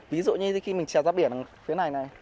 ví dụ như khi mình trèo ra biển phía này này